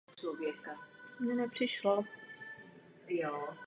Dodnes je prvním místopředsedou tohoto spolku.